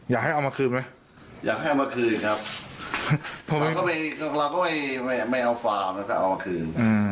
อยากให้เอามาคืนไหมอยากให้เอามาคืนครับเราก็ไม่เอาฟาร์มแล้วก็เอามาคืน